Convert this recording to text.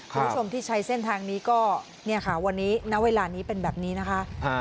คุณผู้ชมที่ใช้เส้นทางนี้ก็เนี่ยค่ะวันนี้ณเวลานี้เป็นแบบนี้นะคะ